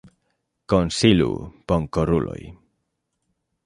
Konsilu, bonkoruloj!